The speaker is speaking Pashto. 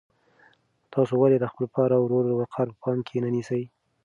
تاسو ولې د خپل پلار او ورور وقار په پام کې نه نیسئ؟